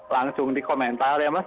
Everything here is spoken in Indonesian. langsung di komentar ya mas